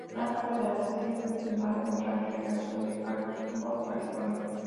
Gran parte de la serie fue filmada en el Rancho Iverson en Chatsworth, California.